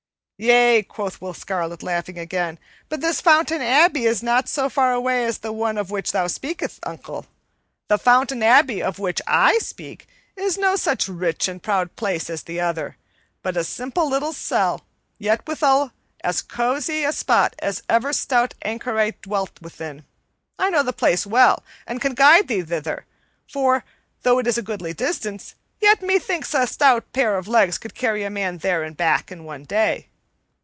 "Yea," quoth Will Scarlet, laughing again, "but this Fountain Abbey is not so far away as the one of which thou speakest, uncle. The Fountain Abbey of which I speak is no such rich and proud place as the other, but a simple little cell; yet, withal, as cosy a spot as ever stout anchorite dwelled within. I know the place well, and can guide thee thither, for, though it is a goodly distance, yet methinks a stout pair of legs could carry a man there and back in one day."